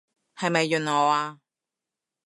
係咪潤我啊？